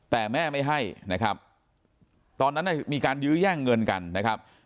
แต่แม่ไม่ให้นะครับตอนนั้นมีการยื้อแย่งเงินกันนะครับ